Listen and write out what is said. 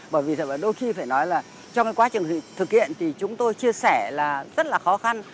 bởi vì thật đôi khi phải nói là trong quá trình thực hiện thì chúng tôi chia sẻ là rất là khó khăn